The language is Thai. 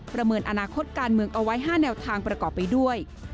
เมินอนาคตการเมืองเอาไว้๕แนวทางประกอบไปด้วย